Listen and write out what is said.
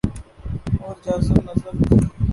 اورجاذب نظربھی۔